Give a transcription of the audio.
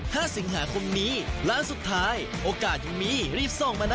ห้าสิงหาคมนี้ร้านสุดท้ายโอกาสยังมีรีบส่งมานะ